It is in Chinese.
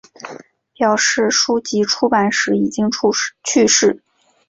表示书籍出版时已经去世。